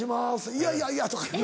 「いやいやいや」とか言うて。